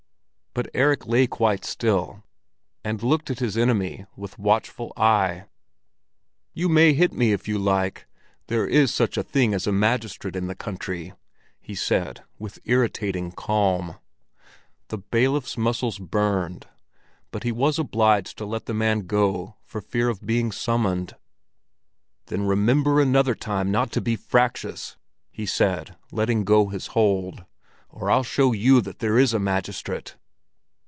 But Erik lay quite still and looked at his enemy with watchful eye. "You may hit me, if you like. There is such a thing as a magistrate in the country," he said, with irritating calm. The bailiff's muscles burned, but he was obliged to let the man go for fear of being summoned. "Then remember another time not to be fractious!" he said, letting go his hold, "or I'll show you that there is a magistrate."